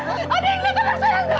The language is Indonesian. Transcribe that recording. adik anda tenang